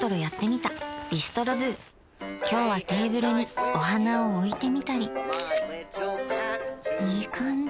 今日はテーブルにお花をおいてみたりいい感じ。